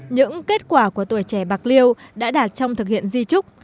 những kết quả của tuổi trẻ bạc liêu đã đạt trong thực hiện di trúc